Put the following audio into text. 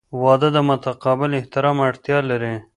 • واده د متقابل احترام اړتیا لري.